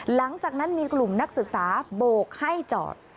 หลังจากนั้นมีกลุ่มนักศึกษาโบกให้จอด